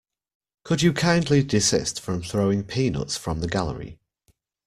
Could you kindly desist from throwing peanuts from the gallery?